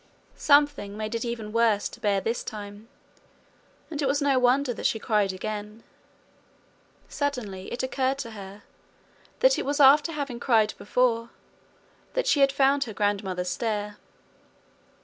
Something made it even worse to bear this time, and it was no wonder that she cried again. Suddenly it occurred to her that it was after having cried before that she had found her grandmother's stair.